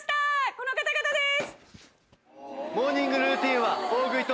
この方々です。